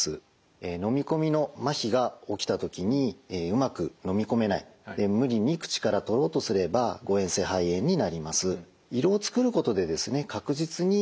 飲み込みのまひが起きた時にうまく飲み込めない無理に口から取ろうとすれば誤えん性肺炎になります。